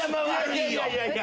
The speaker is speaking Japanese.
いやいやいや。